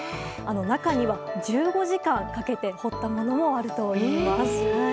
中には１５時間かけて彫ったものもあるといいます。